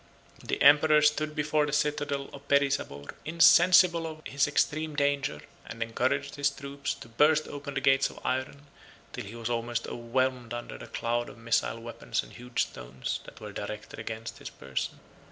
The emperor stood before the citadel of Perisabor, insensible of his extreme danger, and encouraged his troops to burst open the gates of iron, till he was almost overwhelmed under a cloud of missile weapons and huge stones, that were directed against his person.